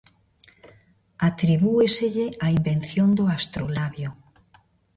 Atribúeselle a invención do astrolabio.